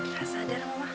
gak sadar mama